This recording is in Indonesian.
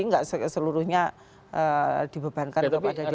tidak seluruhnya dibebankan kepada dpr